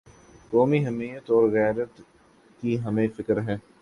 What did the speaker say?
قومی حمیت اور غیرت کی ہمیں فکر ہے۔